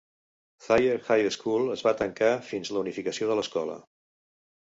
Thayer High School es va tancar fins la unificació de l'escola.